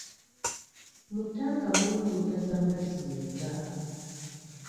Mu tanka mulimu liita z'amazzi mmeka?